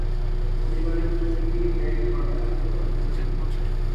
পরিবারের জমিটি ব্যাংক বাজেয়াপ্ত করে।